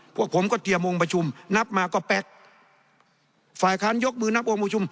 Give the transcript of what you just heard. พวกผมก็เตรียมวงประชุมนับมาก็แป๊กฝ่ายค้านยกมือนับวงประชุม